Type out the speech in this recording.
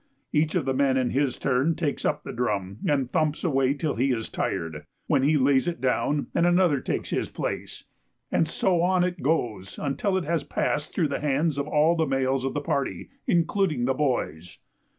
Each of the men in his turn takes up the drum and thumps away till he is tired, when he lays it down and another takes his place, and so on it goes until it has passed through the hands of all the males of the party, including the boys.